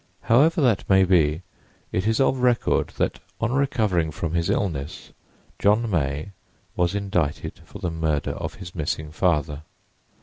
However that may be, it is of record that on recovering from his illness John May was indicted for the murder of his missing father.